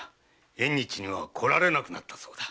縁日には来られなくなったそうだ。